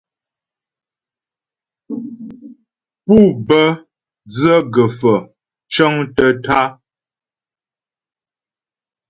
Pú bə́ dzə gə̀faə̀ cəŋtə́ tǎ'a.